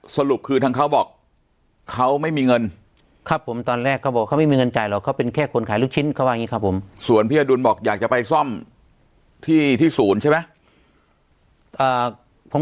สรุปคือทางเขาบอกเขาไม่มีเงินครับผมตอนแรกเขาบอกเขาไม่มีเงินจ่ายหรอกเขาเป็นแค่คนขายลูกชิ้นเขาว่าอย่างนี้ครับผมส่วนพี่อดุลบอกอยากจะไปซ่อมที่ที่ศูนย์ใช่ไหม